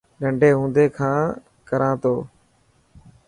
ننڊي هوندي کان ڪران تو.